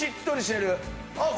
あっ！